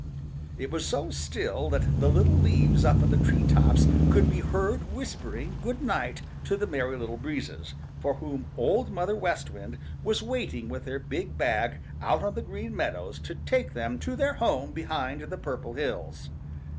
It was so still that the little leaves up in the tree tops could be heard whispering good night to the Merry Little Breezes, for whom Old Mother West Wind was waiting with her big bag out on the Green Meadows to take them to their home behind the Purple Hills.